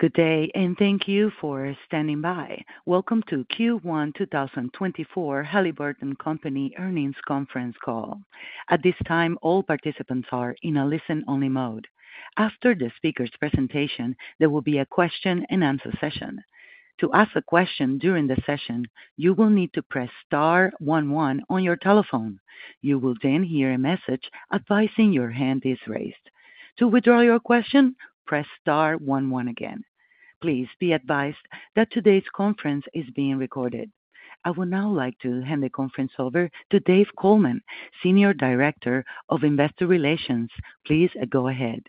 Good day, and thank you for standing by. Welcome to Q1 2024 Halliburton Company Earnings Conference call. At this time, all participants are in a listen-only mode. After the speaker's presentation, there will be a question-and-answer session. To ask a question during the session, you will need to press *11 on your telephone. You will then hear a message advising your hand is raised. To withdraw your question, press *11 again. Please be advised that today's conference is being recorded. I would now like to hand the conference over to Dave Coleman, Senior Director of Investor Relations. Please go ahead.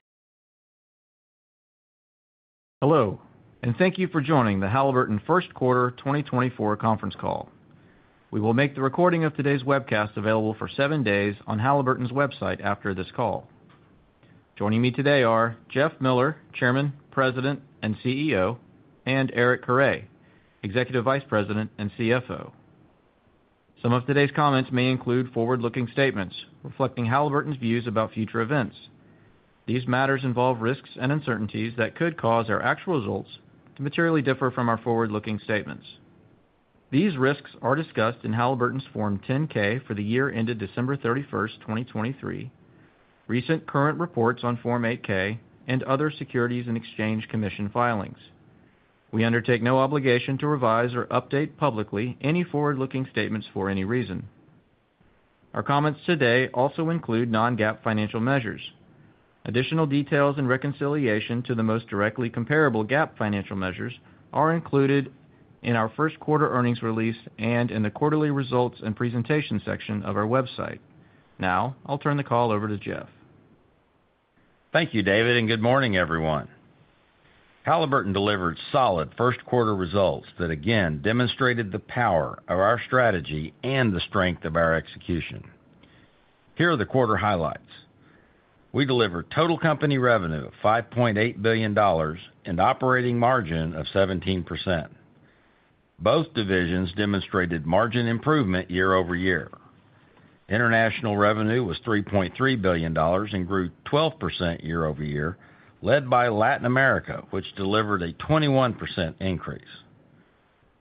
Hello, and thank you for joining the Halliburton First Quarter 2024 Conference call. We will make the recording of today's webcast available for 7 days on Halliburton's website after this call. Joining me today are Jeff Miller, Chairman, President, and CEO, and Eric Carre, Executive Vice President and CFO. Some of today's comments may include forward-looking statements reflecting Halliburton's views about future events. These matters involve risks and uncertainties that could cause our actual results to materially differ from our forward-looking statements. These risks are discussed in Halliburton's Form 10-K for the year ended December 31, 2023, recent current reports on Form 8-K, and other Securities and Exchange Commission filings. We undertake no obligation to revise or update publicly any forward-looking statements for any reason. Our comments today also include non-GAAP financial measures. Additional details and reconciliation to the most directly comparable GAAP financial measures are included in our First Quarter Earnings release and in the Quarterly Results and Presentation section of our website. Now I'll turn the call over to Jeff. Thank you, David, and good morning, everyone. Halliburton delivered solid first quarter results that, again, demonstrated the power of our strategy and the strength of our execution. Here are the quarter highlights. We delivered total company revenue of $5.8 billion and operating margin of 17%. Both divisions demonstrated margin improvement year-over-year. International revenue was $3.3 billion and grew 12% year-over-year, led by Latin America, which delivered a 21% increase.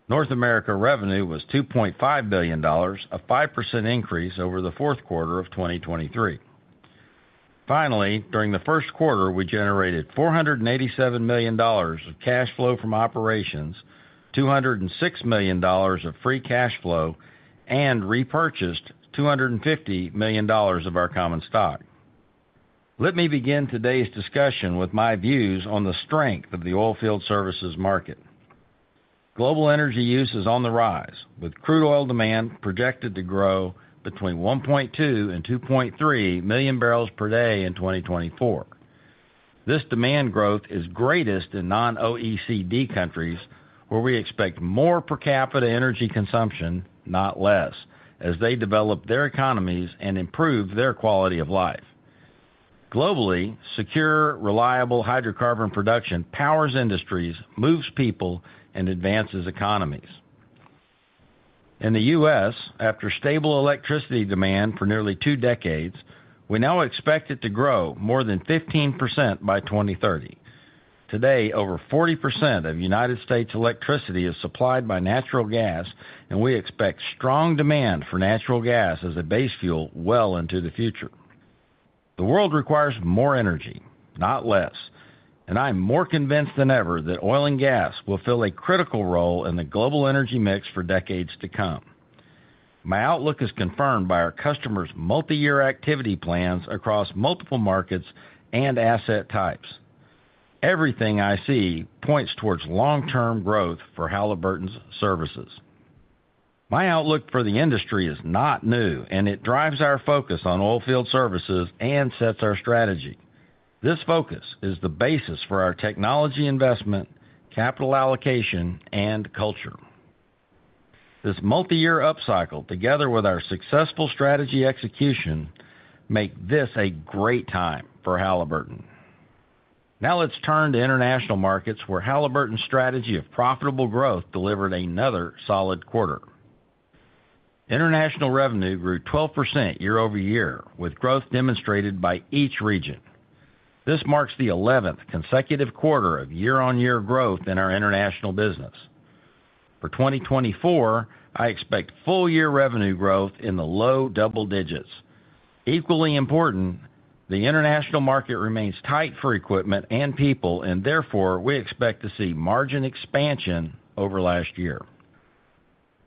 North America revenue was $2.5 billion, a 5% increase over the fourth quarter of 2023. Finally, during the first quarter, we generated $487 million of cash flow from operations, $206 million of free cash flow, and repurchased $250 million of our common stock. Let me begin today's discussion with my views on the strength of the oilfield services market. Global energy use is on the rise, with crude oil demand projected to grow between 1.2-2.3 million barrels per day in 2024. This demand growth is greatest in non-OECD countries, where we expect more per capita energy consumption, not less, as they develop their economies and improve their quality of life. Globally, secure, reliable hydrocarbon production powers industries, moves people, and advances economies. In the U.S., after stable electricity demand for nearly two decades, we now expect it to grow more than 15% by 2030. Today, over 40% of United States electricity is supplied by natural gas, and we expect strong demand for natural gas as a base fuel well into the future. The world requires more energy, not less, and I'm more convinced than ever that oil and gas will fill a critical role in the global energy mix for decades to come. My outlook is confirmed by our customers' multi-year activity plans across multiple markets and asset types. Everything I see points towards long-term growth for Halliburton's services. My outlook for the industry is not new, and it drives our focus on oilfield services and sets our strategy. This focus is the basis for our technology investment, capital allocation, and culture. This multi-year upcycle, together with our successful strategy execution, makes this a great time for Halliburton. Now let's turn to international markets, where Halliburton's strategy of profitable growth delivered another solid quarter. International revenue grew 12% year-over-year, with growth demonstrated by each region. This marks the 11th consecutive quarter of year-over-year growth in our international business. For 2024, I expect full-year revenue growth in the low double digits. Equally important, the international market remains tight for equipment and people, and therefore we expect to see margin expansion over last year.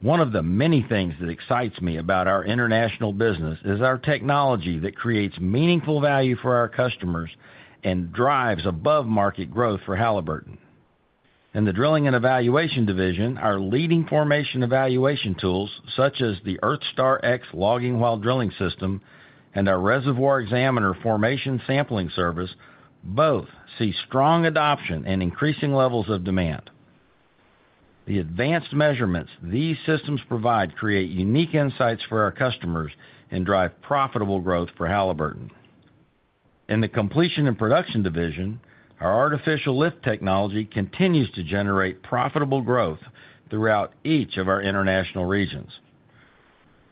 One of the many things that excites me about our international business is our technology that creates meaningful value for our customers and drives above-market growth for Halliburton. In the drilling and evaluation division, our leading formation evaluation tools, such as the EarthStar X logging while drilling system and our Reservoir Xaminer formation sampling service, both see strong adoption and increasing levels of demand. The advanced measurements these systems provide create unique insights for our customers and drive profitable growth for Halliburton. In the completion and production division, our artificial lift technology continues to generate profitable growth throughout each of our international regions.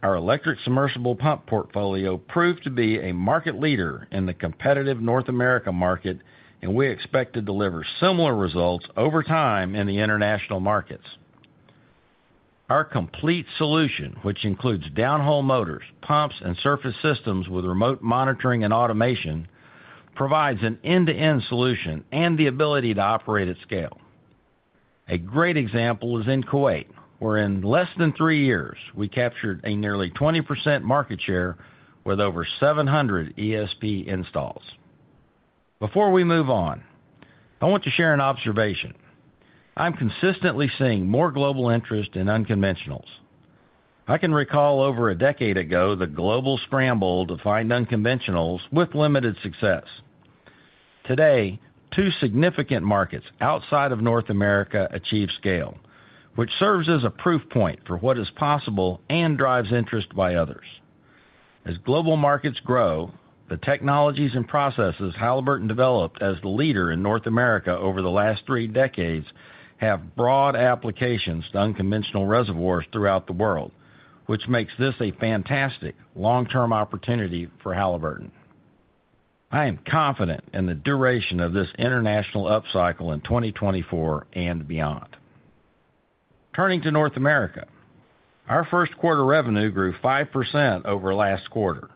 Our electric submersible pump portfolio proved to be a market leader in the competitive North America market, and we expect to deliver similar results over time in the international markets. Our complete solution, which includes downhole motors, pumps, and surface systems with remote monitoring and automation, provides an end-to-end solution and the ability to operate at scale. A great example is in Kuwait, where in less than three years we captured a nearly 20% market share with over 700 ESP installs. Before we move on, I want to share an observation. I'm consistently seeing more global interest in unconventionals. I can recall over a decade ago the global scramble to find unconventionals with limited success. Today, two significant markets outside of North America achieve scale, which serves as a proof point for what is possible and drives interest by others. As global markets grow, the technologies and processes Halliburton developed as the leader in North America over the last three decades have broad applications to unconventional reservoirs throughout the world, which makes this a fantastic long-term opportunity for Halliburton. I am confident in the duration of this international upcycle in 2024 and beyond. Turning to North America, our first-quarter earnings grew 5% over last quarter.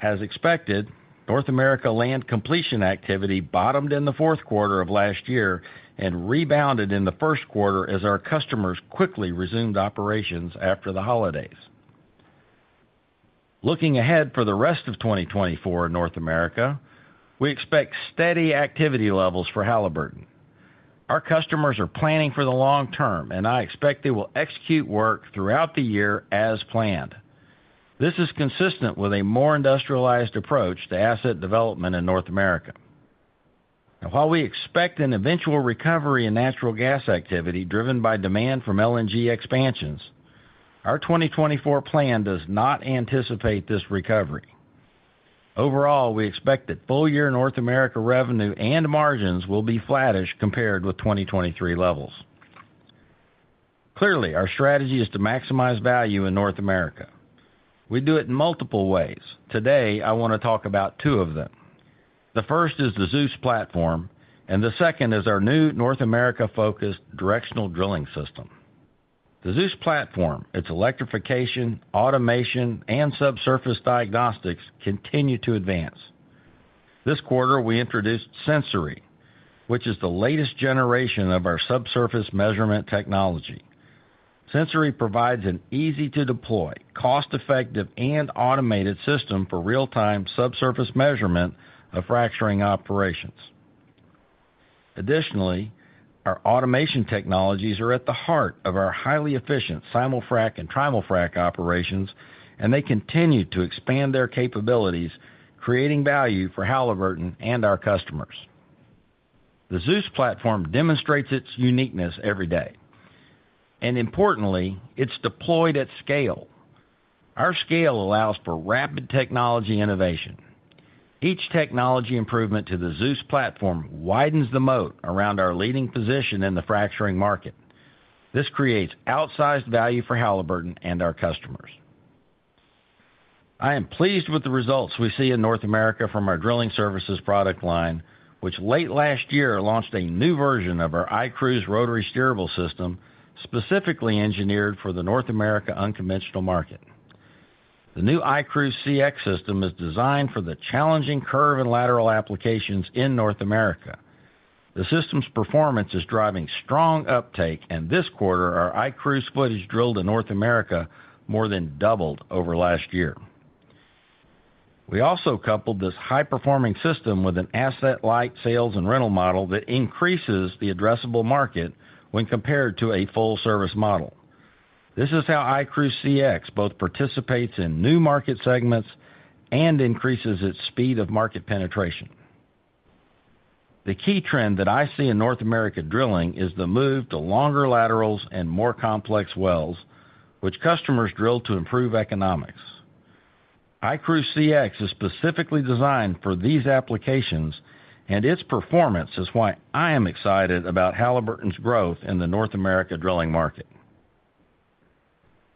As expected, North America land completion activity bottomed in the fourth quarter of last year and rebounded in the first quarter as our customers quickly resumed operations after the holidays. Looking ahead for the rest of 2024 in North America, we expect steady activity levels for Halliburton. Our customers are planning for the long term, and I expect they will execute work throughout the year as planned. This is consistent with a more industrialized approach to asset development in North America. While we expect an eventual recovery in natural gas activity driven by demand from LNG expansions, our 2024 plan does not anticipate this recovery. Overall, we expect that full-year North America revenue and margins will be flattish compared with 2023 levels. Clearly, our strategy is to maximize value in North America. We do it in multiple ways. Today, I want to talk about two of them. The first is the Zeus platform, and the second is our new North America-focused directional drilling system. The Zeus platform, its electrification, automation, and subsurface diagnostics continue to advance. This quarter, we introduced Sensori, which is the latest generation of our subsurface measurement technology. Sensori provides an easy-to-deploy, cost-effective, and automated system for real-time subsurface measurement of fracturing operations. Additionally, our automation technologies are at the heart of our highly efficient Simul-Frac and Trimul-Frac operations, and they continue to expand their capabilities, creating value for Halliburton and our customers. The Zeus platform demonstrates its uniqueness every day. Importantly, it's deployed at scale. Our scale allows for rapid technology innovation. Each technology improvement to the Zeus platform widens the moat around our leading position in the fracturing market. This creates outsized value for Halliburton and our customers. I am pleased with the results we see in North America from our drilling services product line, which late last year launched a new version of our iCruise rotary steerable system specifically engineered for the North America unconventional market. The new iCruise X system is designed for the challenging curve and lateral applications in North America. The system's performance is driving strong uptake, and this quarter our iCruise footage drilled in North America more than doubled over last year. We also coupled this high-performing system with an asset-light sales and rental model that increases the addressable market when compared to a full-service model. This is how iCruise X both participates in new market segments and increases its speed of market penetration. The key trend that I see in North America drilling is the move to longer laterals and more complex wells, which customers drill to improve economics. iCruise X is specifically designed for these applications, and its performance is why I am excited about Halliburton's growth in the North America drilling market.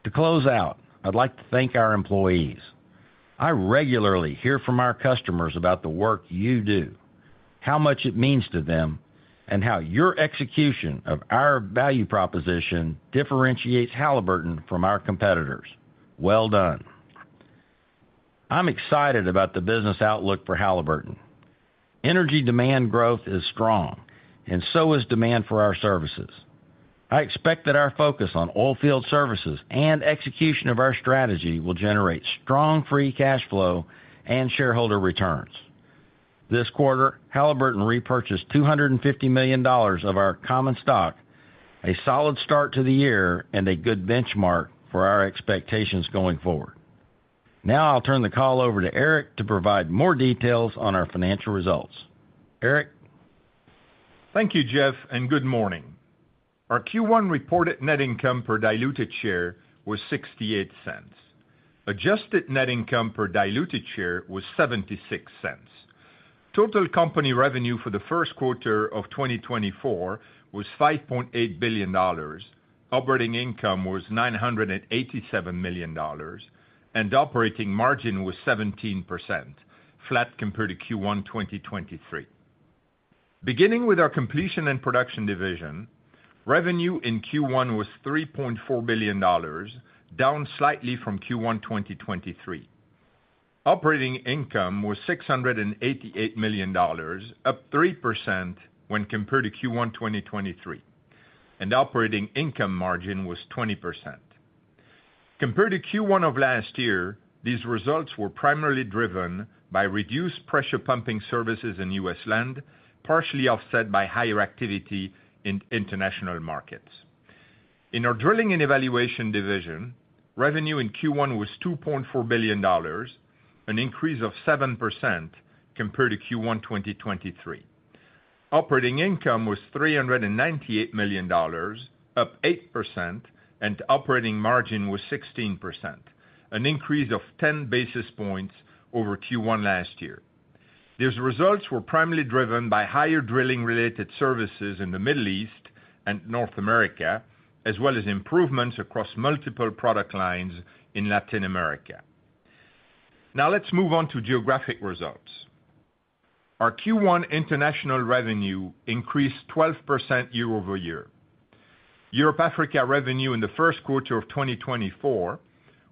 To close out, I'd like to thank our employees. I regularly hear from our customers about the work you do, how much it means to them, and how your execution of our value proposition differentiates Halliburton from our competitors. Well done. I'm excited about the business outlook for Halliburton. Energy demand growth is strong, and so is demand for our services. I expect that our focus on oilfield services and execution of our strategy will generate strong free cash flow and shareholder returns. This quarter, Halliburton repurchased $250 million of our common stock, a solid start to the year, and a good benchmark for our expectations going forward. Now I'll turn the call over to Eric to provide more details on our financial results. Eric? Thank you, Jeff, and good morning. Our Q1 reported net income per diluted share was $0.68. Adjusted net income per diluted share was $0.76. Total company revenue for the first quarter of 2024 was $5.8 billion, operating income was $987 million, and operating margin was 17%, flat compared to Q1 2023. Beginning with our completion and production division, revenue in Q1 was $3.4 billion, down slightly from Q1 2023. Operating income was $688 million, up 3% when compared to Q1 2023, and operating income margin was 20%. Compared to Q1 of last year, these results were primarily driven by reduced pressure pumping services in U.S. land, partially offset by higher activity in international markets. In our drilling and evaluation division, revenue in Q1 was $2.4 billion, an increase of 7% compared to Q1 2023. Operating income was $398 million, up 8%, and operating margin was 16%, an increase of 10 basis points over Q1 last year. These results were primarily driven by higher drilling-related services in the Middle East and North America, as well as improvements across multiple product lines in Latin America. Now let's move on to geographic results. Our Q1 international revenue increased 12% year-over-year. Europe/Africa revenue in the first quarter of 2024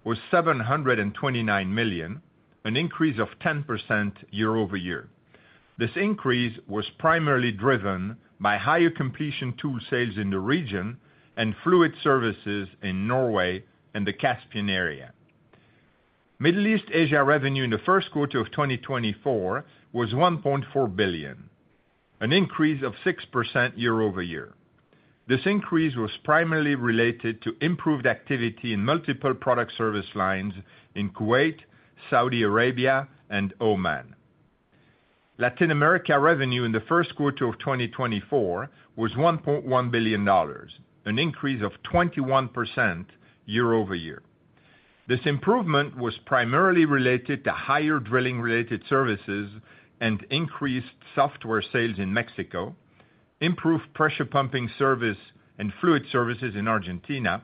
was $729 million, an increase of 10% year-over-year. This increase was primarily driven by higher completion tool sales in the region and fluid services in Norway and the Caspian Area. Middle East/Asia revenue in the first quarter of 2024 was $1.4 billion, an increase of 6% year-over-year. This increase was primarily related to improved activity in multiple product service lines in Kuwait, Saudi Arabia, and Oman. Latin America revenue in the first quarter of 2024 was $1.1 billion, an increase of 21% year-over-year. This improvement was primarily related to higher drilling-related services and increased software sales in Mexico, improved pressure pumping service and fluid services in Argentina,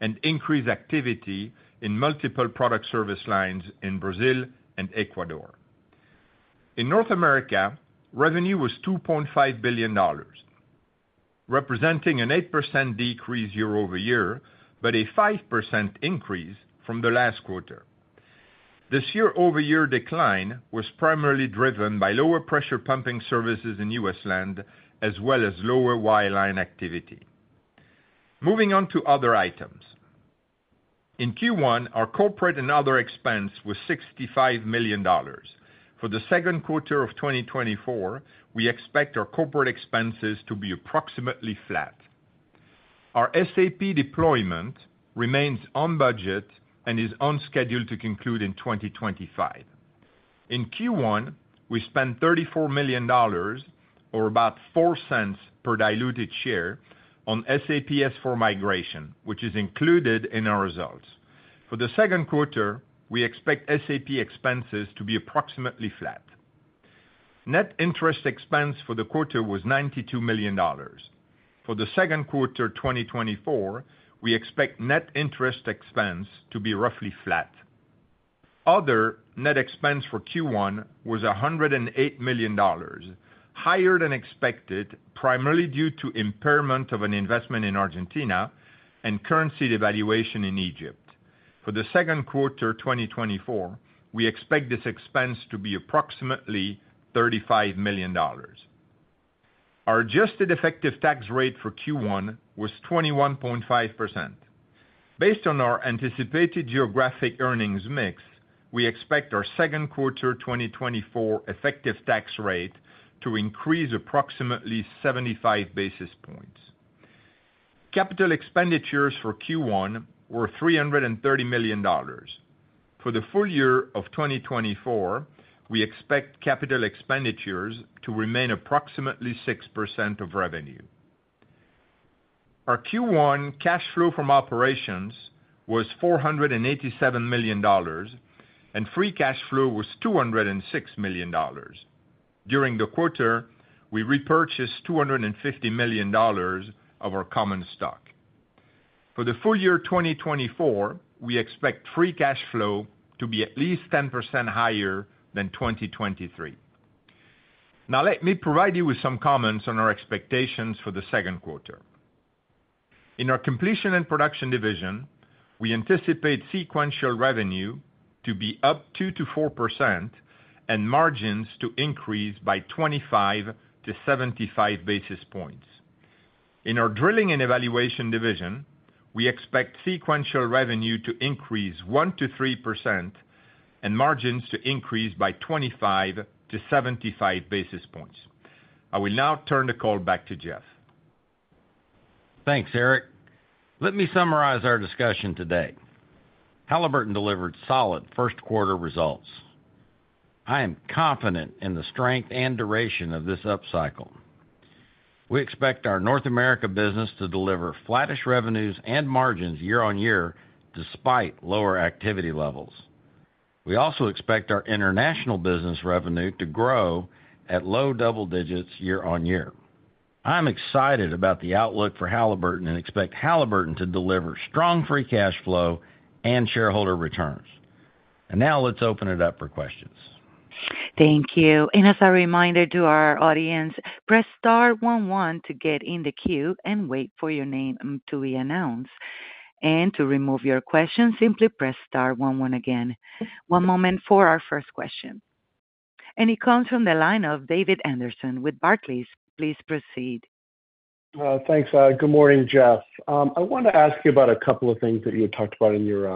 and increased activity in multiple product service lines in Brazil and Ecuador. In North America, revenue was $2.5 billion, representing an 8% decrease year-over-year but a 5% increase from the last quarter. This year-over-year decline was primarily driven by lower pressure pumping services in U.S. land as well as lower wireline activity. Moving on to other items. In Q1, our corporate and other expense was $65 million. For the second quarter of 2024, we expect our corporate expenses to be approximately flat. Our SAP deployment remains on budget and is on schedule to conclude in 2025. In Q1, we spent $34 million, or about $0.04 per diluted share, on SAP S/4 Migration, which is included in our results. For the second quarter, we expect SAP expenses to be approximately flat. Net interest expense for the quarter was $92 million. For the second quarter 2024, we expect net interest expense to be roughly flat. Other net expense for Q1 was $108 million, higher than expected primarily due to impairment of an investment in Argentina and currency devaluation in Egypt. For the second quarter 2024, we expect this expense to be approximately $35 million. Our adjusted effective tax rate for Q1 was 21.5%. Based on our anticipated geographic earnings mix, we expect our second quarter 2024 effective tax rate to increase approximately 75 basis points. Capital expenditures for Q1 were $330 million. For the full year of 2024, we expect capital expenditures to remain approximately 6% of revenue. Our Q1 cash flow from operations was $487 million, and free cash flow was $206 million. During the quarter, we repurchased $250 million of our common stock. For the full year 2024, we expect free cash flow to be at least 10% higher than 2023. Now let me provide you with some comments on our expectations for the second quarter. In our completion and production division, we anticipate sequential revenue to be up 2%-4% and margins to increase by 25 to 75 basis points. In our drilling and evaluation division, we expect sequential revenue to increase 1%-3% and margins to increase by 25 to 75 basis points. I will now turn the call back to Jeff. Thanks, Eric. Let me summarize our discussion today. Halliburton delivered solid first quarter results. I am confident in the strength and duration of this upcycle. We expect our North America business to deliver flattish revenues and margins year-on-year despite lower activity levels. We also expect our international business revenue to grow at low double digits year-on-year. I'm excited about the outlook for Halliburton and expect Halliburton to deliver strong free cash flow and shareholder returns. Now let's open it up for questions. Thank you. As a reminder to our audience, press star 11 to get in the queue and wait for your name to be announced. To remove your question, simply press star 11 again. One moment for our first question. It comes from the line of David Anderson with Barclays. Please proceed. Thanks. Good morning, Jeff. I want to ask you about a couple of things that you had talked about in your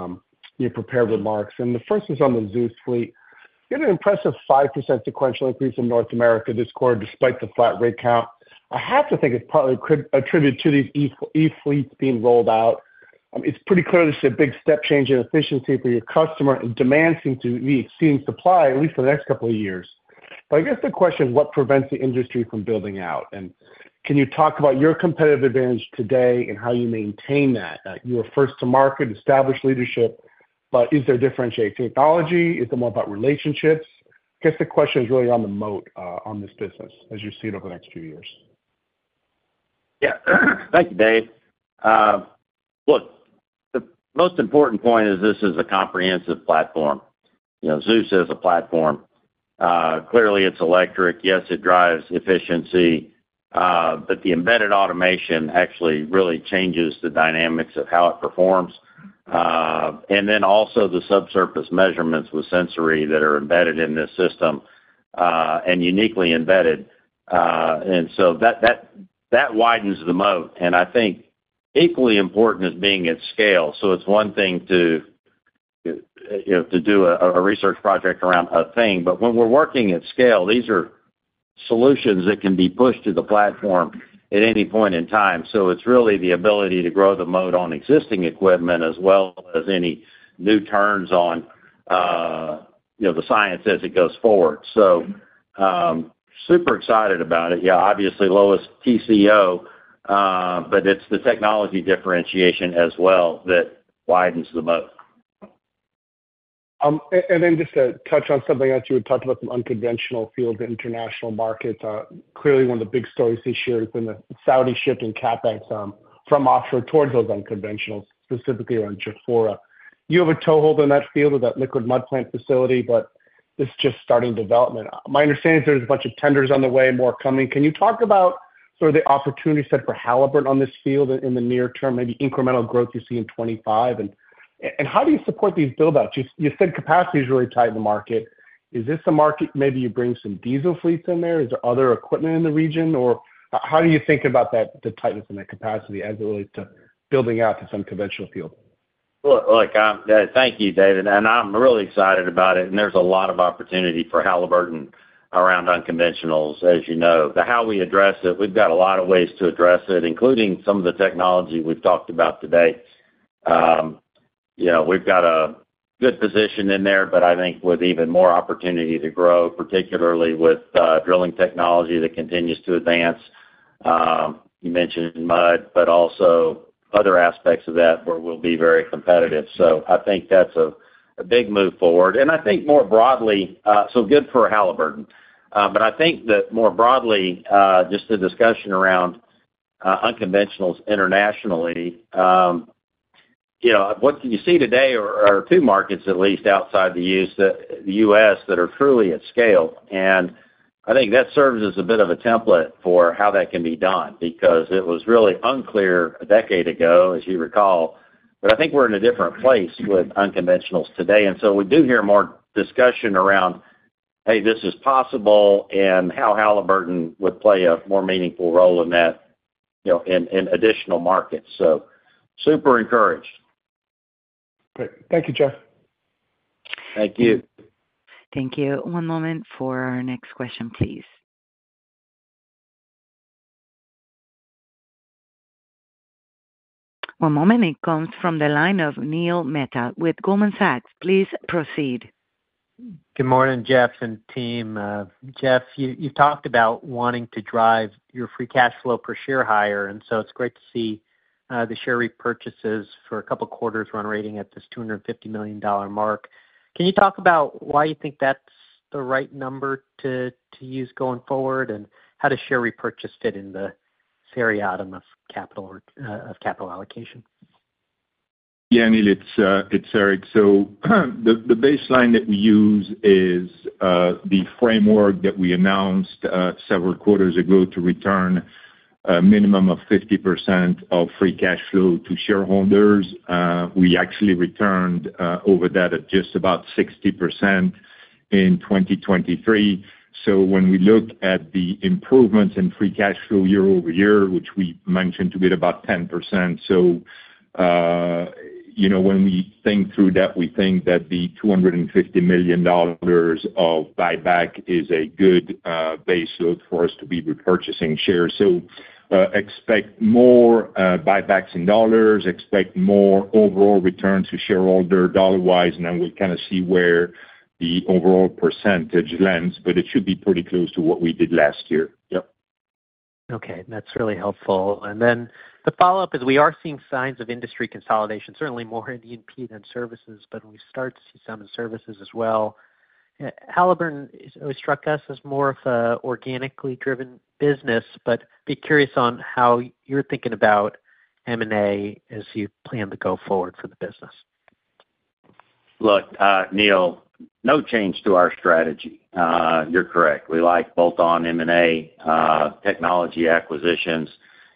prepared remarks. The first is on the Zeus fleet. You had an impressive 5% sequential increase in North America this quarter despite the flat rig count. I have to think it's partly attributed to these e-fleets being rolled out. It's pretty clear this is a big step change in efficiency for your customer, and demand seems to be exceeding supply, at least for the next couple of years. I guess the question is what prevents the industry from building out? Can you talk about your competitive advantage today and how you maintain that? You were first to market, established leadership, but is there differentiating technology? Is it more about relationships? I guess the question is really on the moat on this business as you see it over the next few years. Yeah. Thank you, Dave. Look, the most important point is this is a comprehensive platform. Zeus is a platform. Clearly, it's electric. Yes, it drives efficiency. But the embedded automation actually really changes the dynamics of how it performs. And then also the subsurface measurements with Sensori that are embedded in this system and uniquely embedded. And so that widens the moat. And I think equally important is being at scale. So it's one thing to do a research project around a thing. But when we're working at scale, these are solutions that can be pushed to the platform at any point in time. So it's really the ability to grow the moat on existing equipment as well as any new turns on the science as it goes forward. So super excited about it. Yeah, obviously lowest TCO, but it's the technology differentiation as well that widens the moat. And then just to touch on something else, you had talked about some unconventional fields in international markets. Clearly, one of the big stories this year has been the Saudi shift and CAPEX from offshore towards those unconventionals, specifically around Jafurah. You have a toehold in that field with that liquid mud plant facility, but this is just starting development. My understanding is there's a bunch of tenders on the way, more coming. Can you talk about sort of the opportunity set for Halliburton on this field in the near term, maybe incremental growth you see in 2025? And how do you support these buildouts? You said capacity is really tight in the market. Is this a market maybe you bring some diesel fleets in there? Is there other equipment in the region? Or how do you think about the tightness in that capacity as it relates to building out this unconventional field? Look, thank you, David. I'm really excited about it. There's a lot of opportunity for Halliburton around unconventionals, as you know. The how we address it, we've got a lot of ways to address it, including some of the technology we've talked about today. We've got a good position in there, but I think with even more opportunity to grow, particularly with drilling technology that continues to advance. You mentioned mud, but also other aspects of that where we'll be very competitive. So I think that's a big move forward. I think more broadly so good for Halliburton. But I think that more broadly, just the discussion around unconventionals internationally, what can you see today are two markets, at least outside the U.S., that are truly at scale. I think that serves as a bit of a template for how that can be done because it was really unclear a decade ago, as you recall. But I think we're in a different place with unconventionals today. So we do hear more discussion around, "Hey, this is possible," and how Halliburton would play a more meaningful role in that in additional markets. So super encouraged. Great. Thank you, Jeff. Thank you. Thank you. One moment for our next question, please. One moment. It comes from the line of Neil Mehta with Goldman Sachs. Please proceed. Good morning, Jeff and team. Jeff, you've talked about wanting to drive your free cash flow per share higher. And so it's great to see the share repurchases for a couple of quarters run rate at this $250 million mark. Can you talk about why you think that's the right number to use going forward and how does share repurchase fit in the spectrum of capital allocation? Yeah, Neil. It's Eric. So the baseline that we use is the framework that we announced several quarters ago to return a minimum of 50% of free cash flow to shareholders. We actually returned over that at just about 60% in 2023. So when we look at the improvements in free cash flow year-over-year, which we mentioned to be at about 10%, so when we think through that, we think that the $250 million of buyback is a good base load for us to be repurchasing shares. So expect more buybacks in dollars, expect more overall return to shareholder dollar-wise. And then we'll kind of see where the overall percentage lands. But it should be pretty close to what we did last year. Yep. Okay. That's really helpful. And then the follow-up is we are seeing signs of industry consolidation, certainly more in E&P than services. But when we start to see some in services as well, Halliburton struck us as more of an organically driven business. But be curious on how you're thinking about M&A as you plan to go forward for the business. Look, Neil, no change to our strategy. You're correct. We like bolt-on M&A, technology acquisitions.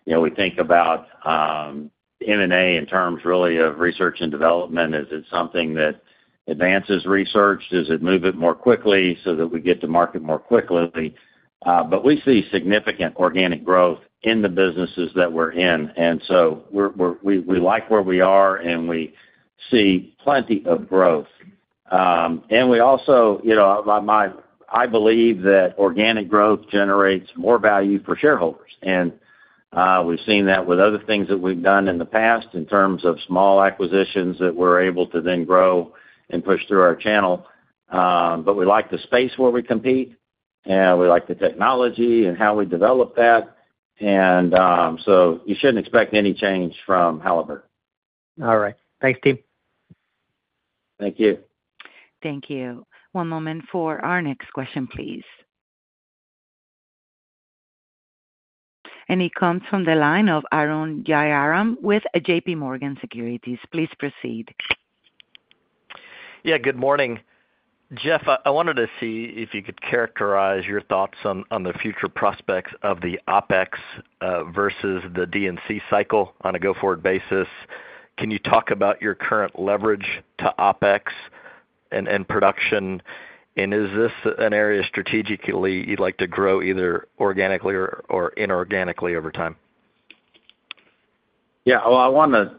We think about M&A in terms really of research and development. Is it something that advances research? Does it move it more quickly so that we get to market more quickly? But we see significant organic growth in the businesses that we're in. And so we like where we are, and we see plenty of growth. And we also I believe that organic growth generates more value for shareholders. And we've seen that with other things that we've done in the past in terms of small acquisitions that we're able to then grow and push through our channel. But we like the space where we compete. We like the technology and how we develop that. And so you shouldn't expect any change from Halliburton. All right. Thanks, team. Thank you. Thank you. One moment for our next question, please. It comes from the line of Arun Jayaram with JPMorgan Securities. Please proceed. Yeah. Good morning. Jeff, I wanted to see if you could characterize your thoughts on the future prospects of the OPEX versus the D&E cycle on a go-forward basis. Can you talk about your current leverage to OPEX and production? And is this an area strategically you'd like to grow either organically or inorganically over time? Yeah. Well, I want to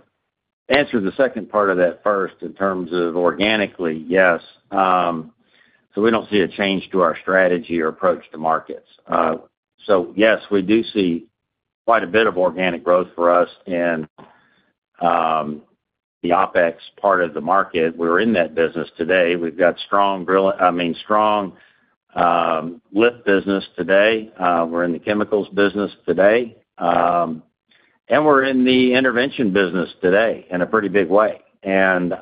answer the second part of that first in terms of organically, yes. So we don't see a change to our strategy or approach to markets. So yes, we do see quite a bit of organic growth for us in the OPEX part of the market. We're in that business today. We've got strong—I mean, strong—lift business today. We're in the chemicals business today. And we're in the intervention business today in a pretty big way. And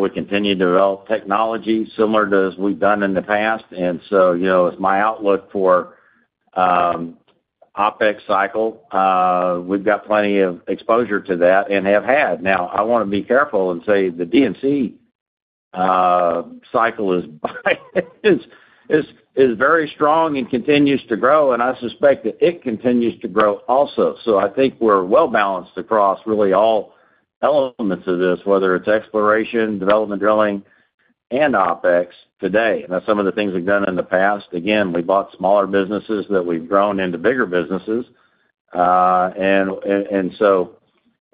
we continue to develop technology similar to as we've done in the past. And so it's my outlook for OPEX cycle. We've got plenty of exposure to that and have had. Now, I want to be careful and say the D&E cycle is very strong and continues to grow. And I suspect that it continues to grow also. I think we're well-balanced across really all elements of this, whether it's exploration, development, drilling, and OPEX today. That's some of the things we've done in the past. Again, we bought smaller businesses that we've grown into bigger businesses. So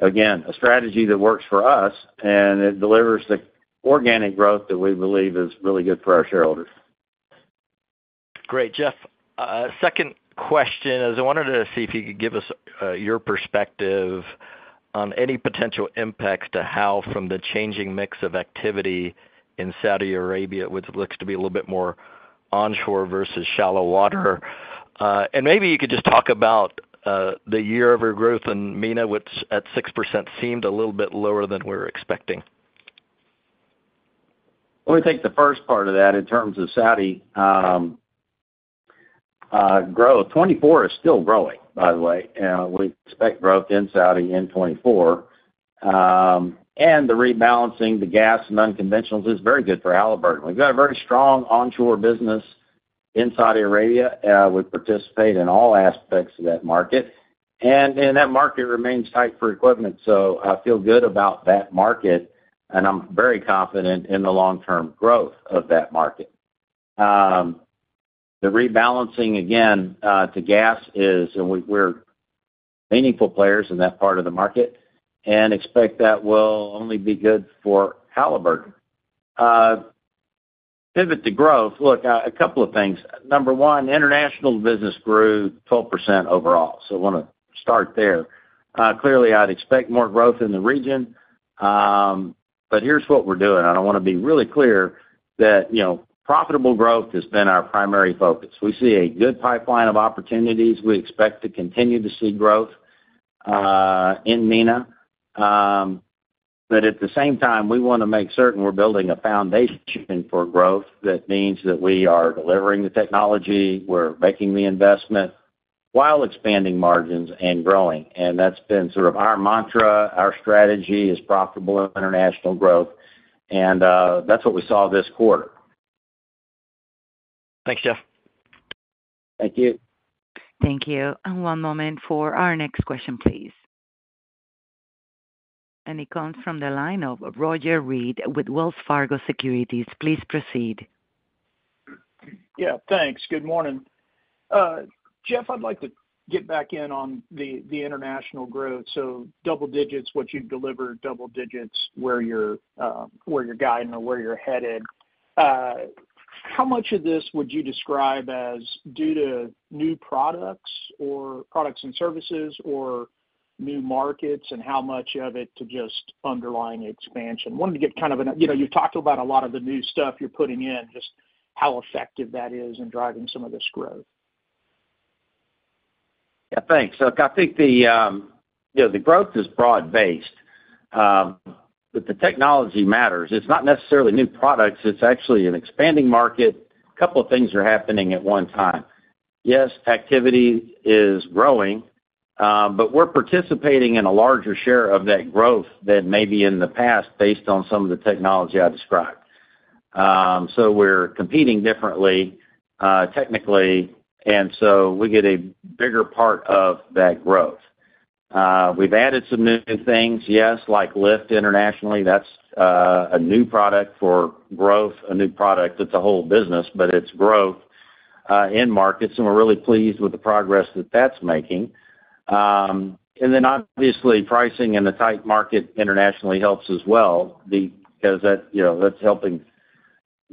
again, a strategy that works for us. It delivers the organic growth that we believe is really good for our shareholders. Great. Jeff, second question is I wanted to see if you could give us your perspective on any potential impacts to how from the changing mix of activity in Saudi Arabia, which looks to be a little bit more onshore versus shallow water. And maybe you could just talk about the year-over-year growth. And MENA, at 6%, seemed a little bit lower than we were expecting. Let me take the first part of that in terms of Saudi growth. 2024 is still growing, by the way. We expect growth in Saudi in 2024. The rebalancing, the gas and unconventionals is very good for Halliburton. We've got a very strong onshore business in Saudi Arabia. We participate in all aspects of that market. That market remains tight for equipment. So I feel good about that market. I'm very confident in the long-term growth of that market. The rebalancing, again, to gas is and we're meaningful players in that part of the market and expect that will only be good for Halliburton. Pivot to growth. Look, a couple of things. Number one, international business grew 12% overall. I want to start there. Clearly, I'd expect more growth in the region. Here's what we're doing. I don't want to be really clear that profitable growth has been our primary focus. We see a good pipeline of opportunities. We expect to continue to see growth in MENA. But at the same time, we want to make certain we're building a foundation for growth. That means that we are delivering the technology. We're making the investment while expanding margins and growing. And that's been sort of our mantra, our strategy is profitable international growth. And that's what we saw this quarter. Thanks, Jeff. Thank you. Thank you. One moment for our next question, please. It comes from the line of Roger Reed with Wells Fargo Securities. Please proceed. Yeah. Thanks. Good morning. Jeff, I'd like to get back in on the international growth. So double digits, what you've delivered, double digits, where you're guiding or where you're headed. How much of this would you describe as due to new products and services or new markets and how much of it to just underlying expansion? Wanted to get kind of an answer. You've talked about a lot of the new stuff you're putting in, just how effective that is in driving some of this growth. Yeah. Thanks. Look, I think the growth is broad-based. But the technology matters. It's not necessarily new products. It's actually an expanding market. A couple of things are happening at one time. Yes, activity is growing. But we're participating in a larger share of that growth than maybe in the past based on some of the technology I described. So we're competing differently technically. And so we get a bigger part of that growth. We've added some new things, yes, like lift internationally. That's a new product for growth, a new product. It's a whole business. But it's growth in markets. And we're really pleased with the progress that that's making. And then obviously, pricing in a tight market internationally helps as well because that's helping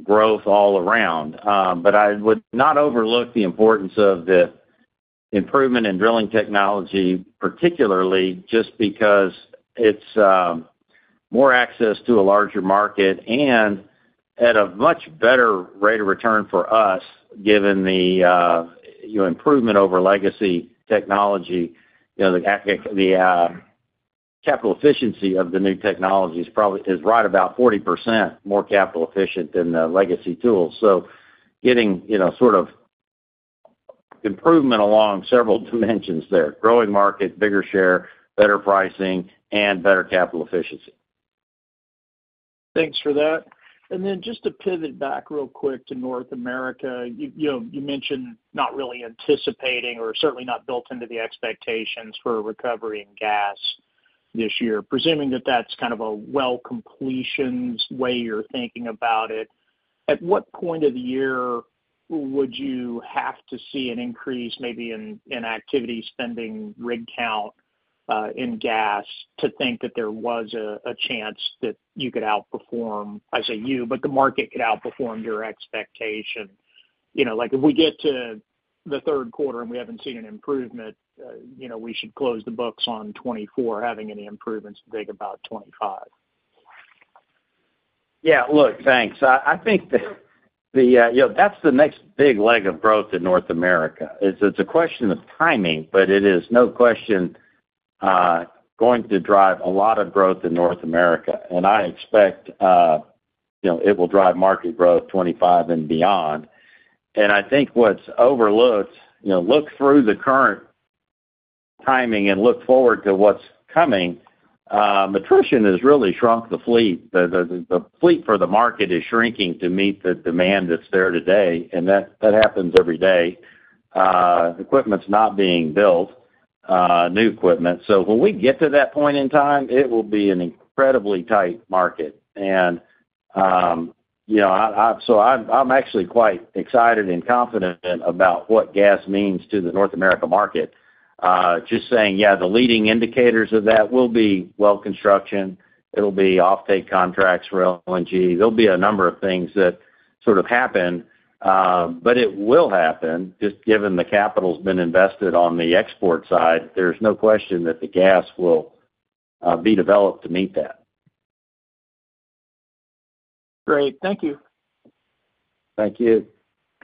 growth all around. But I would not overlook the importance of the improvement in drilling technology, particularly just because it's more access to a larger market and at a much better rate of return for us given the improvement over legacy technology. The capital efficiency of the new technology is right about 40% more capital efficient than the legacy tools. So getting sort of improvement along several dimensions there: growing market, bigger share, better pricing, and better capital efficiency. Thanks for that. Then just to pivot back real quick to North America, you mentioned not really anticipating or certainly not built into the expectations for recovery in gas this year. Presuming that that's kind of a well completions way you're thinking about it, at what point of the year would you have to see an increase maybe in activity spending rig count in gas to think that there was a chance that you could outperform, I say you, but the market could outperform your expectation? If we get to the third quarter and we haven't seen an improvement, we should close the books on 2024 having any improvements to think about 2025. Yeah. Look, thanks. I think that that's the next big leg of growth in North America. It's a question of timing. But it is no question going to drive a lot of growth in North America. And I expect it will drive market growth 2025 and beyond. And I think what's overlooked look through the current timing and look forward to what's coming. Attrition has really shrunk the fleet. The fleet for the market is shrinking to meet the demand that's there today. And that happens every day: equipment's not being built, new equipment. So when we get to that point in time, it will be an incredibly tight market. And so I'm actually quite excited and confident about what gas means to the North America market. Just saying, yeah, the leading indicators of that will be well construction. It'll be offtake contracts for LNG. There'll be a number of things that sort of happen. It will happen. Just given the capital's been invested on the export side, there's no question that the gas will be developed to meet that. Great. Thank you. Thank you.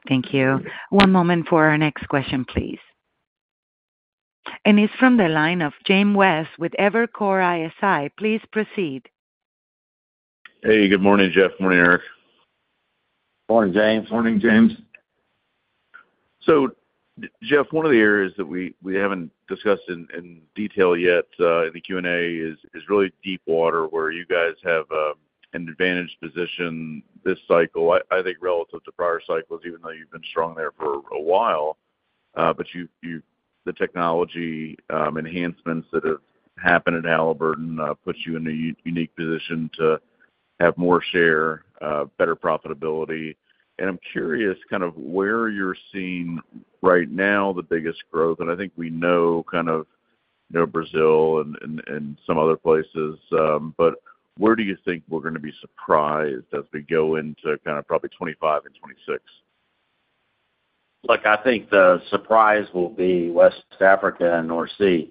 Thank you. One moment for our next question, please. And it's from the line of James West with Evercore ISI. Please proceed. Hey. Good morning, Jeff. Good morning, Eric. Morning, James. Morning, James. So Jeff, one of the areas that we haven't discussed in detail yet in the Q&A is really deep water where you guys have an advantaged position this cycle, I think, relative to prior cycles, even though you've been strong there for a while. But the technology enhancements that have happened at Halliburton put you in a unique position to have more share, better profitability. And I'm curious kind of where you're seeing right now the biggest growth. And I think we know kind of Brazil and some other places. But where do you think we're going to be surprised as we go into kind of probably 2025 and 2026? Look, I think the surprise will be West Africa and North Sea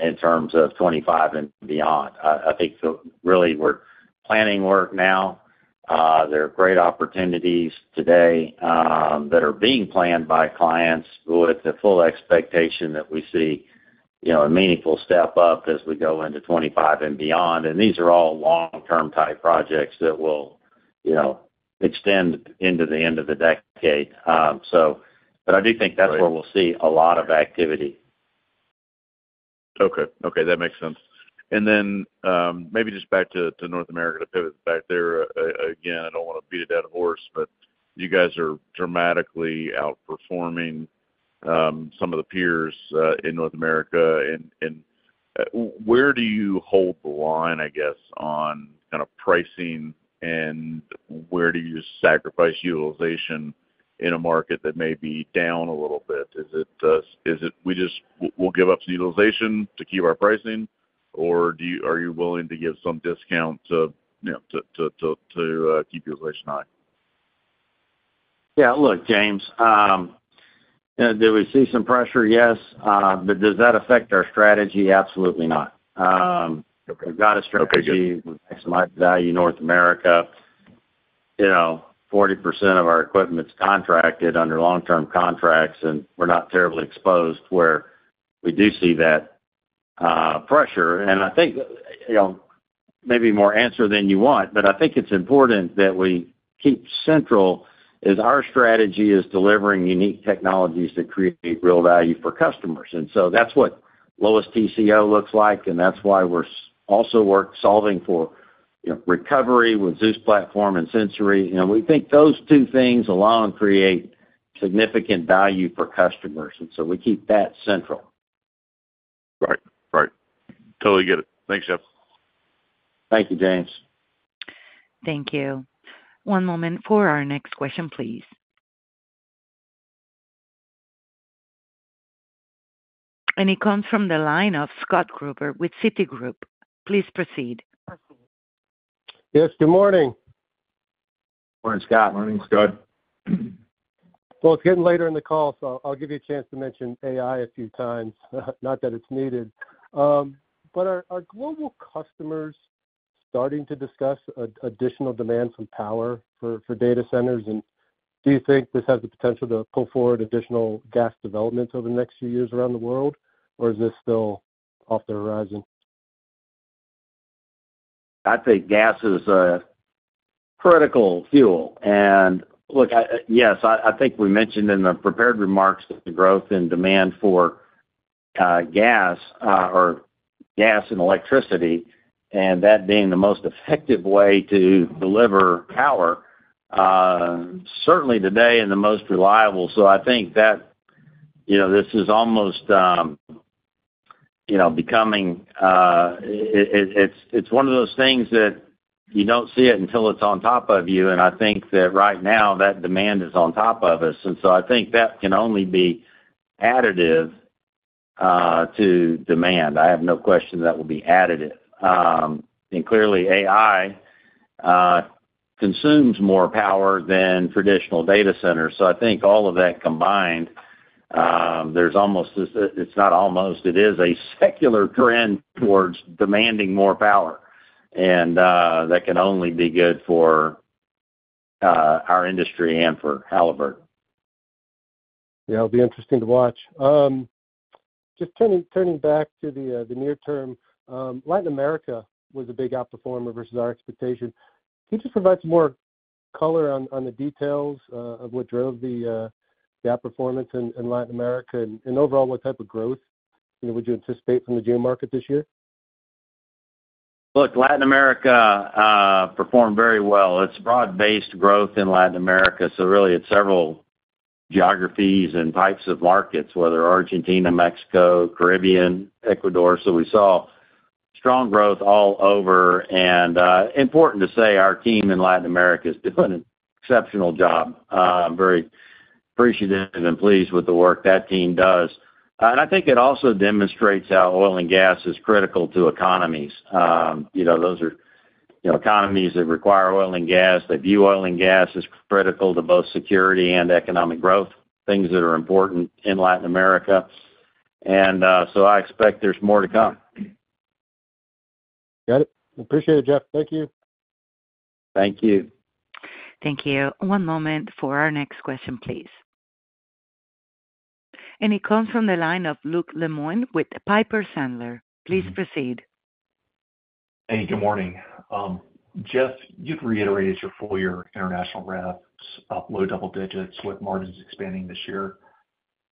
in terms of 2025 and beyond. I think really we're planning work now. There are great opportunities today that are being planned by clients with the full expectation that we see a meaningful step up as we go into 2025 and beyond. And these are all long-term type projects that will extend into the end of the decade. But I do think that's where we'll see a lot of activity. Okay. Okay. That makes sense. And then maybe just back to North America to pivot back there. Again, I don't want to beat a dead horse. But you guys are dramatically outperforming some of the peers in North America. And where do you hold the line, I guess, on kind of pricing? And where do you sacrifice utilization in a market that may be down a little bit? Is it we'll give up some utilization to keep our pricing? Or are you willing to give some discount to keep utilization high? Yeah. Look, James, do we see some pressure? Yes. But does that affect our strategy? Absolutely not. We've got a strategy with maximized value North America. 40% of our equipment's contracted under long-term contracts. And we're not terribly exposed where we do see that pressure. And I think maybe more answer than you want. But I think it's important that we keep central is our strategy is delivering unique technologies that create real value for customers. And so that's what lowest TCO looks like. And that's why we're also solving for recovery with Zeus platform and Sensori. We think those two things alone create significant value for customers. And so we keep that central. Right. Right. Totally get it. Thanks, Jeff. Thank you, James. Thank you. One moment for our next question, please. It comes from the line of Scott Gruber with Citigroup. Please proceed. Yes. Good morning. Morning, Scott. Morning, Scott. Well, it's getting later in the call. So I'll give you a chance to mention AI a few times. Not that it's needed. But are global customers starting to discuss additional demand from power for data centers? And do you think this has the potential to pull forward additional gas developments over the next few years around the world? Or is this still off the horizon? I think gas is a critical fuel. And look, yes, I think we mentioned in the prepared remarks that the growth in demand for gas or gas and electricity and that being the most effective way to deliver power certainly today and the most reliable. So I think that this is almost becoming. It's one of those things that you don't see it until it's on top of you. And I think that right now, that demand is on top of us. And so I think that can only be additive to demand. I have no question that will be additive. And clearly, AI consumes more power than traditional data centers. So I think all of that combined, there's almost. It's not almost. It is a secular trend towards demanding more power. And that can only be good for our industry and for Halliburton. Yeah. It'll be interesting to watch. Just turning back to the near term, Latin America was a big outperformer versus our expectation. Can you just provide some more color on the details of what drove the outperformance in Latin America and overall what type of growth would you anticipate from the geomarket this year? Look, Latin America performed very well. It's broad-based growth in Latin America. So really, it's several geographies and types of markets, whether Argentina, Mexico, Caribbean, Ecuador. So we saw strong growth all over. And important to say, our team in Latin America is doing an exceptional job. I'm very appreciative and pleased with the work that team does. And I think it also demonstrates how oil and gas is critical to economies. Those are economies that require oil and gas. The view of oil and gas is critical to both security and economic growth, things that are important in Latin America. And so I expect there's more to come. Got it. Appreciate it, Jeff. Thank you. Thank you. Thank you. One moment for our next question, please. It comes from the line of Luke Lemoine with Piper Sandler. Please proceed. Hey. Good morning. Jeff, you've reiterated your full-year international revs up low double digits with margins expanding this year.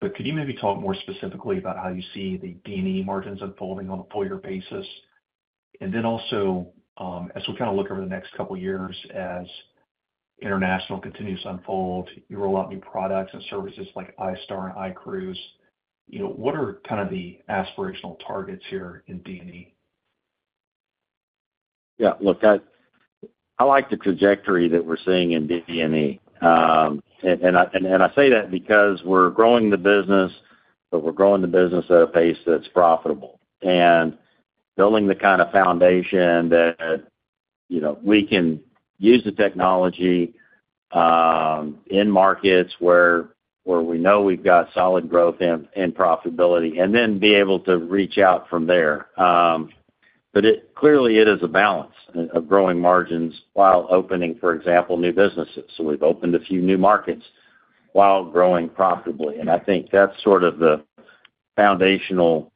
But could you maybe talk more specifically about how you see the D&E margins unfolding on a full-year basis? And then also, as we kind of look over the next couple of years as international continues to unfold, you roll out new products and services like iStar and iCruise. What are kind of the aspirational targets here in D&E? Yeah. Look, I like the trajectory that we're seeing in D&E. And I say that because we're growing the business. But we're growing the business at a pace that's profitable and building the kind of foundation that we can use the technology in markets where we know we've got solid growth and profitability and then be able to reach out from there. But clearly, it is a balance of growing margins while opening, for example, new businesses. So we've opened a few new markets while growing profitably. And I think that's sort of the foundational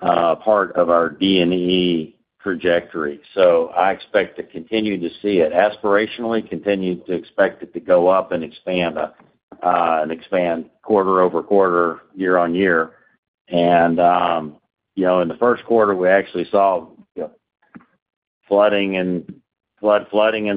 part of our D&E trajectory. So I expect to continue to see it aspirationally, continue to expect it to go up and expand quarter-over-quarter, year-over-year. And in the first quarter, we actually saw flooding in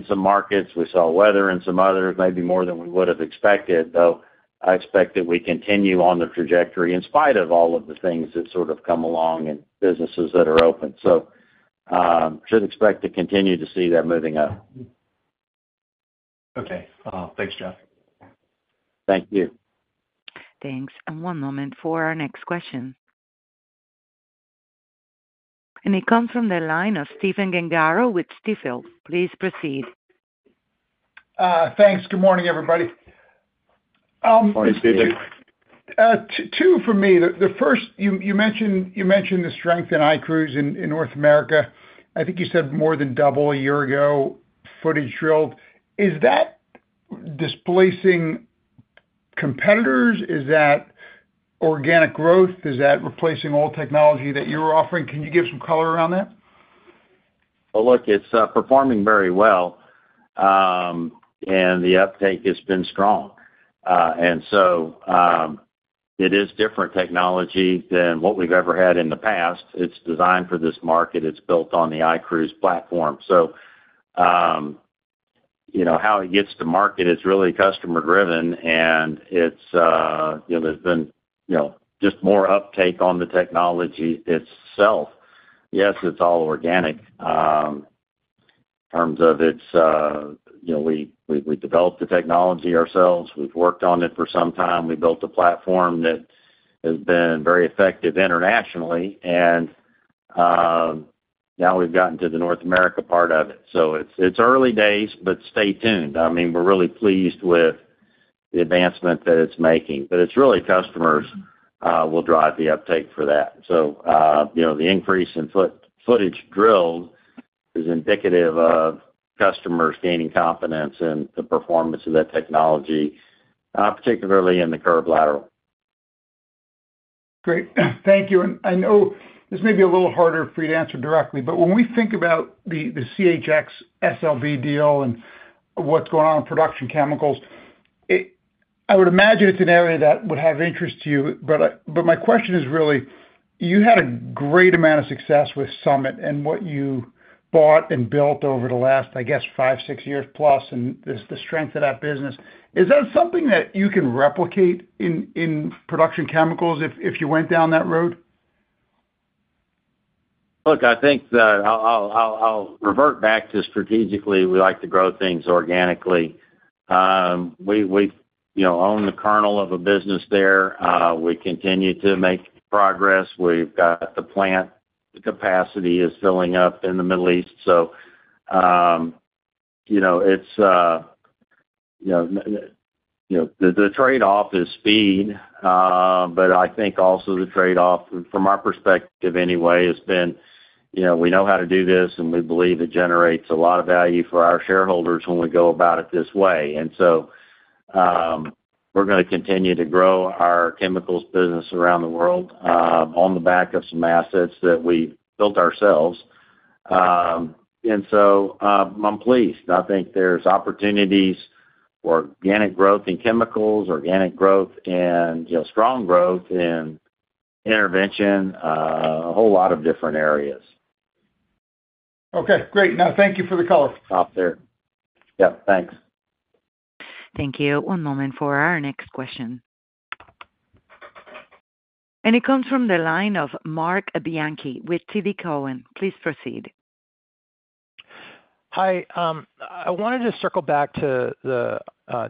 some markets. We saw weather in some others, maybe more than we would have expected. Though I expect that we continue on the trajectory in spite of all of the things that sort of come along and businesses that are open. So should expect to continue to see that moving up. Okay. Thanks, Jeff. Thank you. Thanks. One moment for our next question. It comes from the line of Stephen Gengaro with Stifel. Please proceed. Thanks. Good morning, everybody. Morning, Stephen. Two for me. You mentioned the strength in iCruise in North America. I think you said more than double a year ago, footage drilled. Is that displacing competitors? Is that organic growth? Is that replacing old technology that you were offering? Can you give some color around that? Well, look, it's performing very well. And the uptake has been strong. And so it is different technology than what we've ever had in the past. It's designed for this market. It's built on the iCruise platform. So how it gets to market is really customer-driven. And there's been just more uptake on the technology itself. Yes, it's all organic in terms of it's we developed the technology ourselves. We've worked on it for some time. We built a platform that has been very effective internationally. And now we've gotten to the North America part of it. So it's early days. But stay tuned. I mean, we're really pleased with the advancement that it's making. But it's really customers will drive the uptake for that. So the increase in footage drilled is indicative of customers gaining confidence in the performance of that technology, particularly in the curve lateral. Great. Thank you. And I know this may be a little harder for you to answer directly. But when we think about the ChampionX SLB deal and what's going on with production chemicals, I would imagine it's an area that would have interest to you. But my question is really, you had a great amount of success with Summit and what you bought and built over the last, I guess, five, six years plus and the strength of that business. Is that something that you can replicate in production chemicals if you went down that road? Look, I think that I'll revert back to strategically. We like to grow things organically. We own the kernel of a business there. We continue to make progress. We've got the plant. The capacity is filling up in the Middle East. So it's the trade-off is speed. But I think also the trade-off, from our perspective anyway, has been we know how to do this. And we believe it generates a lot of value for our shareholders when we go about it this way. And so we're going to continue to grow our chemicals business around the world on the back of some assets that we've built ourselves. And so I'm pleased. I think there's opportunities for organic growth in chemicals, organic growth, and strong growth in intervention, a whole lot of different areas. Okay. Great. Now, thank you for the color. Stop there. Yep. Thanks. Thank you. One moment for our next question. It comes from the line of Marc Bianchi with TD Cowen. Please proceed. Hi. I wanted to circle back to the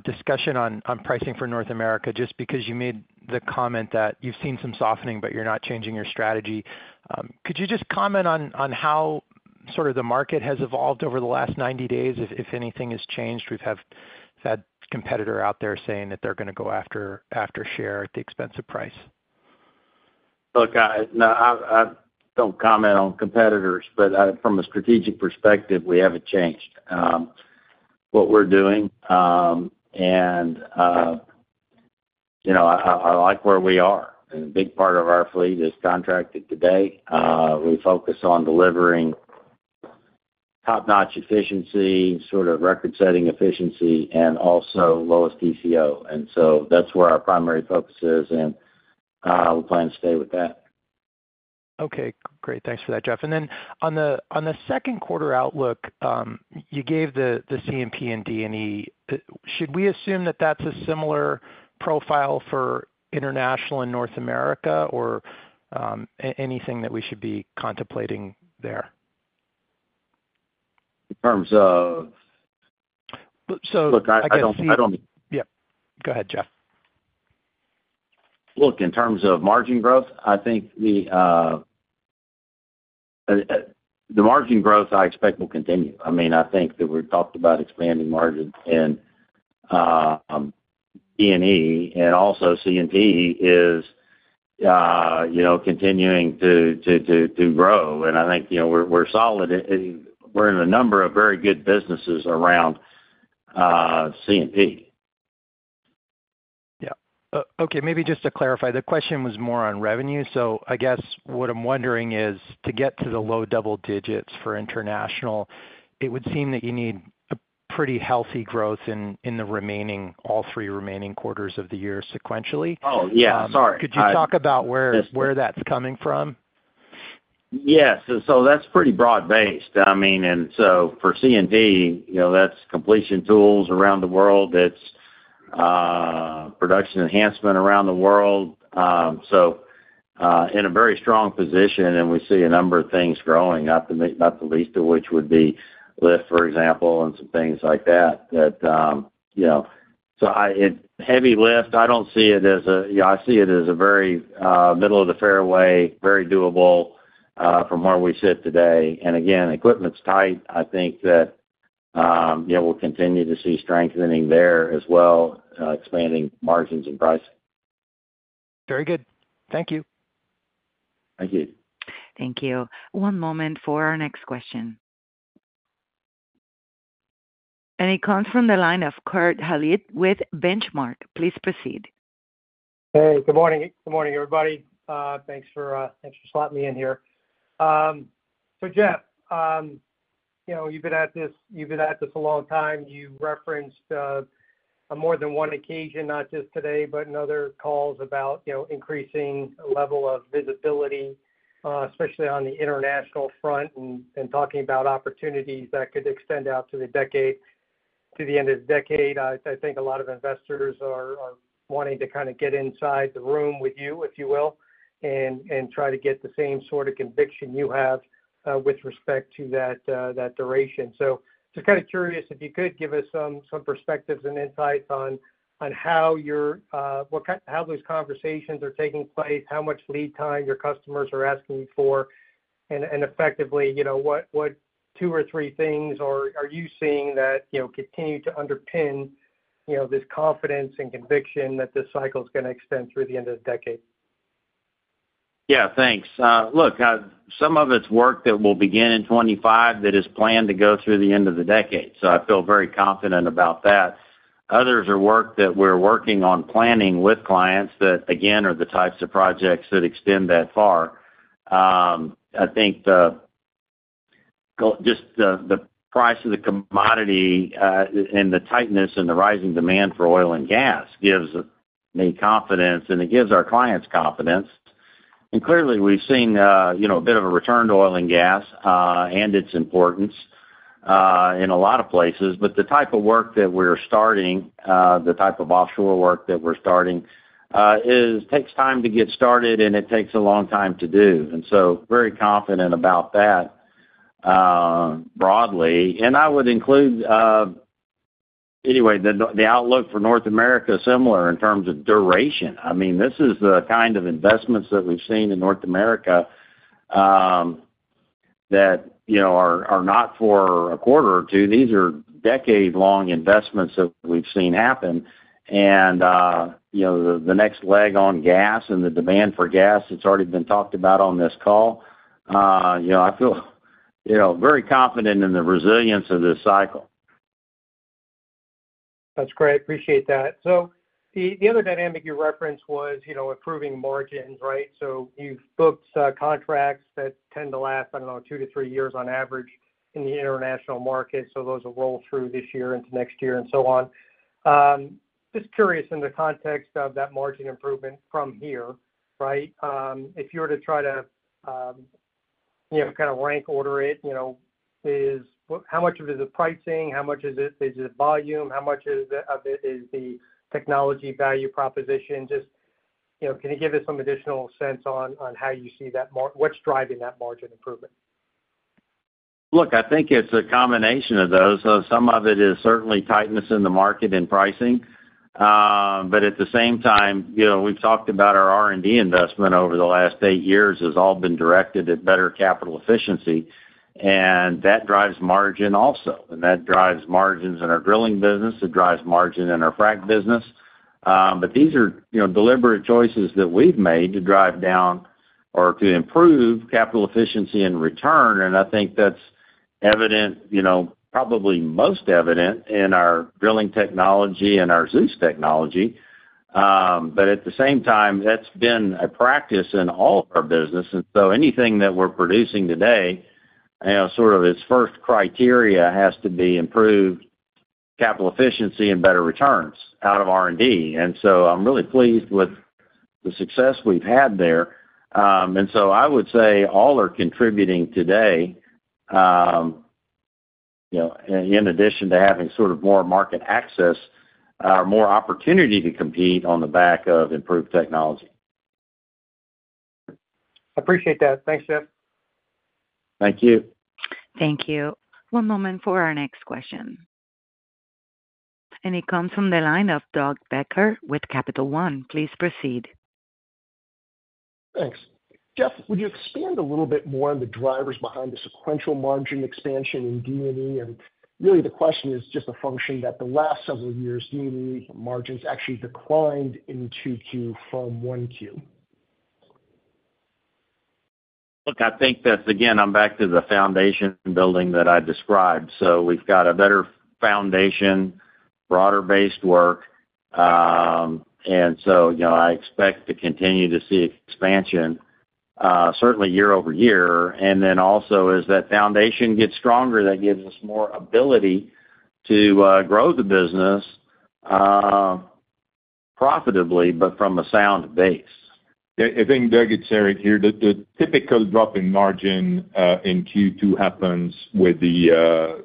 discussion on pricing for North America just because you made the comment that you've seen some softening, but you're not changing your strategy. Could you just comment on how sort of the market has evolved over the last 90 days if anything has changed? We've had competitor out there saying that they're going to go after share at the expense of price. Look, guys, no, I don't comment on competitors. From a strategic perspective, we haven't changed what we're doing. I like where we are. A big part of our fleet is contracted today. We focus on delivering top-notch efficiency, sort of record-setting efficiency, and also lowest TCO. So that's where our primary focus is. We plan to stay with that. Okay. Great. Thanks for that, Jeff. And then on the second quarter outlook, you gave the C&P and D&E. Should we assume that that's a similar profile for international in North America or anything that we should be contemplating there? In terms of look, I don't think. Yeah. Go ahead, Jeff. Look, in terms of margin growth, I think the margin growth, I expect, will continue. I mean, I think that we've talked about expanding margins in D&E. Also C&P is continuing to grow. I think we're solid. We're in a number of very good businesses around C&P. Yeah. Okay. Maybe just to clarify, the question was more on revenue. So I guess what I'm wondering is, to get to the low double digits for international, it would seem that you need a pretty healthy growth in all three remaining quarters of the year sequentially. Oh, yeah. Sorry. I'm sorry. Yes. Could you talk about where that's coming from? Yes. So that's pretty broad-based. I mean, and so for C&P, that's completion tools around the world. It's production enhancement around the world. So in a very strong position. And we see a number of things growing up, not the least of which would be lift, for example, and some things like that. So heavy lift, I don't see it as a very middle of the fairway, very doable from where we sit today. And again, equipment's tight. I think that we'll continue to see strengthening there as well, expanding margins and pricing. Very good. Thank you. Thank you. Thank you. One moment for our next question. It comes from the line of Kurt Hallead with Benchmark. Please proceed. Hey. Good morning. Good morning, everybody. Thanks for slotting me in here. So Jeff, you've been at this you've been at this a long time. You referenced on more than one occasion, not just today, but in other calls, about increasing level of visibility, especially on the international front and talking about opportunities that could extend out to the end of the decade. I think a lot of investors are wanting to kind of get inside the room with you, if you will, and try to get the same sort of conviction you have with respect to that duration. Just kind of curious if you could give us some perspectives and insights on how those conversations are taking place, how much lead time your customers are asking you for, and effectively, what two or three things are you seeing that continue to underpin this confidence and conviction that this cycle is going to extend through the end of the decade? Yeah. Thanks. Look, some of it's work that will begin in 2025 that is planned to go through the end of the decade. So I feel very confident about that. Others are work that we're working on planning with clients that, again, are the types of projects that extend that far. I think just the price of the commodity and the tightness and the rising demand for oil and gas gives me confidence. And it gives our clients confidence. And clearly, we've seen a bit of a return to oil and gas and its importance in a lot of places. But the type of work that we're starting, the type of offshore work that we're starting, takes time to get started. And it takes a long time to do. And so very confident about that broadly. I would include anyway, the outlook for North America is similar in terms of duration. I mean, this is the kind of investments that we've seen in North America that are not for a quarter or two. These are decade-long investments that we've seen happen. The next leg on gas and the demand for gas, it's already been talked about on this call. I feel very confident in the resilience of this cycle. That's great. Appreciate that. So the other dynamic you referenced was improving margins, right? So you've booked contracts that tend to last, I don't know, 2-3 years on average in the international market. So those will roll through this year into next year and so on. Just curious in the context of that margin improvement from here, right, if you were to try to kind of rank order it, how much of it is the pricing? How much is it volume? How much of it is the technology value proposition? Just can you give us some additional sense on how you see that, what's driving that margin improvement? Look, I think it's a combination of those. So some of it is certainly tightness in the market and pricing. But at the same time, we've talked about our R&D investment over the last eight years has all been directed at better capital efficiency. And that drives margin also. And that drives margins in our drilling business. It drives margin in our frac business. But these are deliberate choices that we've made to drive down or to improve capital efficiency and return. And I think that's evident, probably most evident, in our drilling technology and our Zeus technology. But at the same time, that's been a practice in all of our business. And so anything that we're producing today, sort of its first criteria has to be improved capital efficiency and better returns out of R&D. And so I'm really pleased with the success we've had there. I would say all are contributing today in addition to having sort of more market access or more opportunity to compete on the back of improved technology. Appreciate that. Thanks, Jeff. Thank you. Thank you. One moment for our next question. It comes from the line of Doug Becker with Capital One. Please proceed. Thanks. Jeff, would you expand a little bit more on the drivers behind the sequential margin expansion in D&E? And really, the question is just a function that the last several years, D&E margins actually declined in 2Q from 1Q. Look, I think that's again, I'm back to the foundation building that I described. So we've got a better foundation, broader-based work. And so I expect to continue to see expansion, certainly year-over-year. And then also, as that foundation gets stronger, that gives us more ability to grow the business profitably but from a sound base. I think Eric is sharing here. The typical drop in margin in Q2 happens with the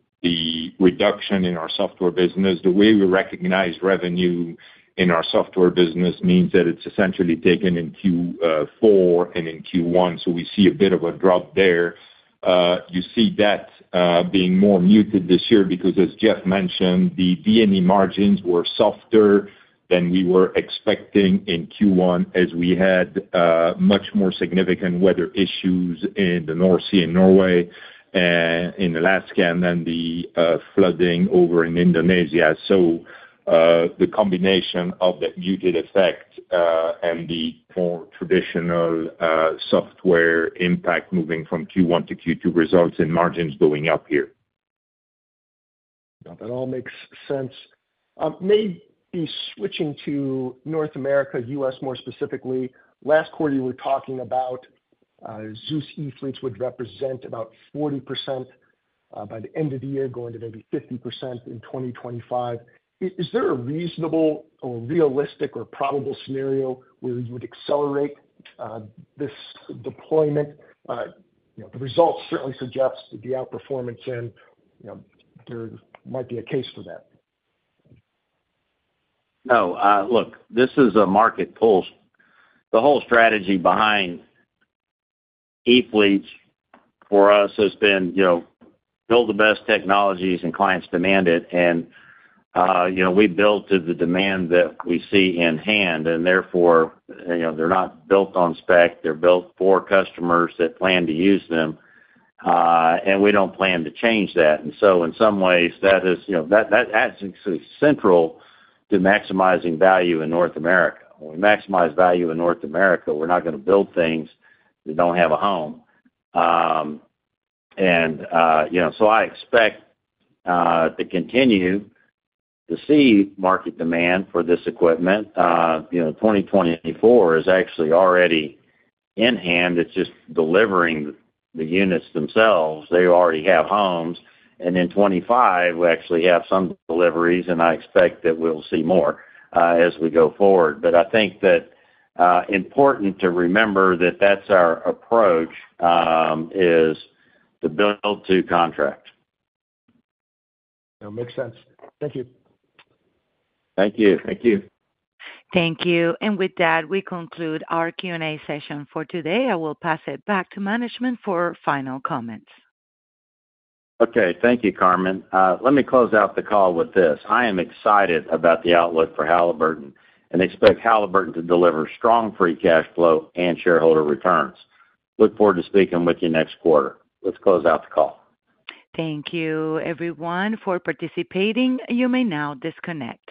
reduction in our software business. The way we recognize revenue in our software business means that it's essentially taken in Q4 and in Q1. So we see a bit of a drop there. You see that being more muted this year because, as Jeff mentioned, the D&E margins were softer than we were expecting in Q1 as we had much more significant weather issues in the North Sea, Norway, and Alaska and then the flooding over in Indonesia. So the combination of that muted effect and the more traditional software impact moving from Q1 to Q2 results in margins going up here. That all makes sense. Maybe switching to North America, U.S. more specifically. Last quarter, you were talking about Zeus e-fleets would represent about 40% by the end of the year, going to maybe 50% in 2025. Is there a reasonable or realistic or probable scenario where you would accelerate this deployment? The results certainly suggest the outperformance. And there might be a case for that. No. Look, this is a market pull. The whole strategy behind e-fleets for us has been build the best technologies and clients demand it. And we build to the demand that we see in hand. And therefore, they're not built on spec. They're built for customers that plan to use them. And we don't plan to change that. And so in some ways, that is central to maximizing value in North America. When we maximize value in North America, we're not going to build things that don't have a home. And so I expect to continue to see market demand for this equipment. 2024 is actually already in hand. It's just delivering the units themselves. They already have homes. And in 2025, we actually have some deliveries. And I expect that we'll see more as we go forward. But I think it's important to remember that that's our approach is to build to contract. That makes sense. Thank you. Thank you. Thank you. Thank you. With that, we conclude our Q&A session for today. I will pass it back to management for final comments. Okay. Thank you, Carmen. Let me close out the call with this. I am excited about the outlook for Halliburton and expect Halliburton to deliver strong free cash flow and shareholder returns. Look forward to speaking with you next quarter. Let's close out the call. Thank you, everyone, for participating. You may now disconnect.